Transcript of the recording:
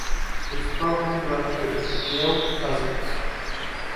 Its programme director is Jill Cousins.